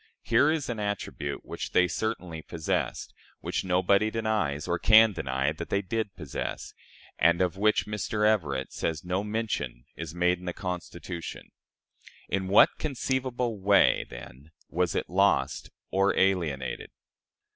Here is an attribute which they certainly possessed which nobody denies, or can deny, that they did possess and of which Mr. Everett says no mention is made in the Constitution. In what conceivable way, then, was it lost or alienated?